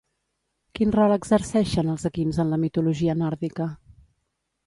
Quin rol exerceixen els equins en la mitologia nòrdica?